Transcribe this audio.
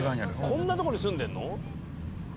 こんなとこに住んでんの？